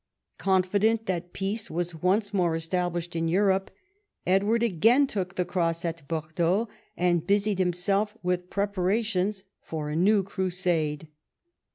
Confident that peace was once more established in Europe, Edward again took the cross at Bordeaux, and busied himself with preparations for a new Crusade.